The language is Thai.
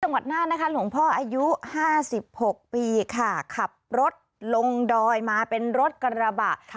หน้านะคะหลวงพ่ออายุ๕๖ปีค่ะขับรถลงดอยมาเป็นรถกระบะ